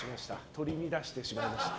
取り乱してしまいました。